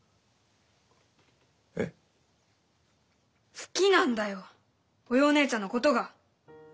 好きなんだよおようねえちゃんのことが！